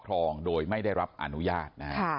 ราคา๘๐๐บาท